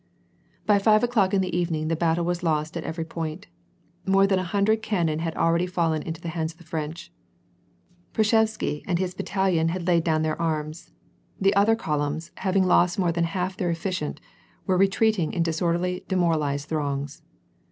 By five o'clock in the evening, the battle was lost at every point. More than a hundred cannon had already fallen into the hands of the French. Prsczebiszewsky and his battalion had laid down their arms. The other columns, having lost more than half their efficient, were retreating in disorderly demoralized throngs.